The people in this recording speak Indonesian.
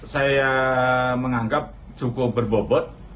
saya menganggap cukup berbobot